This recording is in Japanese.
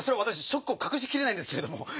ショックをかくしきれないんですけれども。